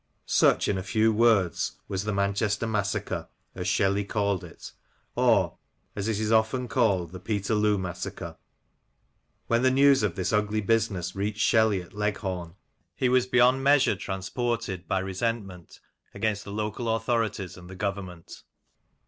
Such, in a few words, was the Manchester massacre, as Shelley called it, or, as it is often called, the Peterloo massacre. When the news of this ugly business reached Shelley at Leghorn, he was beyond measure transported by resentment against the local authorities and the Government.